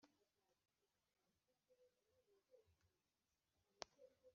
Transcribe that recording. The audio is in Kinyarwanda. Mu mwijima izina ryayo ritwikiriwe n umwijima m ntiyigeze ibona izuba